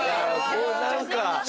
こう何か。